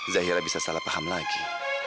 zahira bisa salah paham lagi